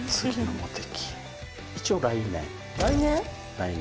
来年？